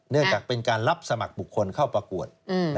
เนื่องจากเป็นการรับสมัครบุคคลเข้าปรากฏ